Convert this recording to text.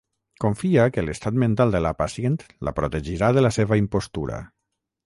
Confia que l'estat mental de la pacient la protegirà de la seva impostura.